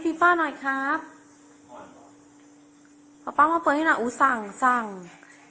พี่ป้าหน่อยครับป่าวมาเปิดให้หน่อยอู๋สั่งสั่งอ่ะ